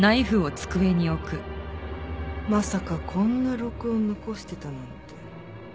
まさかこんな録音残してたなんて。